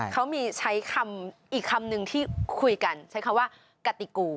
เขามีใช้คำอีกคำนึงที่คุยกันใช้คำว่ากติกู